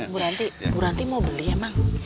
bu ranti bu ranti mau beli emang